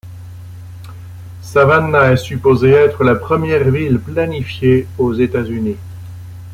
Savannah est supposée être la première ville planifiée aux États-Unis.